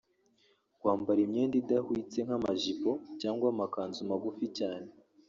Kwambara imyenda idahwitse nk’amajipo cyangwa amakanzu magufi cyane